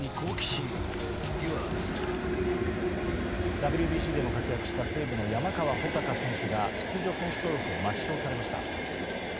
ＷＢＣでも活躍した西武の山川穂高選手が出場選手登録を抹消されました。